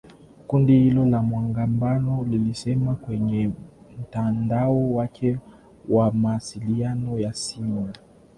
Kundi hilo la wanamgambo lilisema kwenye mtandao wake wa mawasiliano ya simu